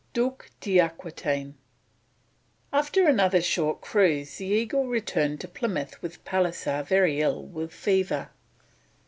DUC D'AQUITAINE. After another short cruise the Eagle returned to Plymouth with Pallisser very ill with fever.